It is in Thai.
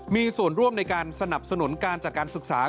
มีส่วนร่วมในการสนับสนุนการจัดการศึกษา